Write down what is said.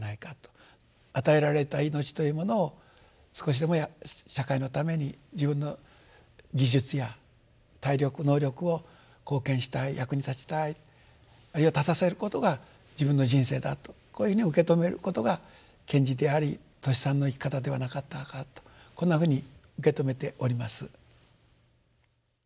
与えられた命というものを少しでも社会のために自分の技術や体力能力を貢献したい役に立ちたいあるいは立たせることが自分の人生だとこういうふうに受け止めることが賢治でありトシさんの生き方ではなかったかとこんなふうに受け止めております。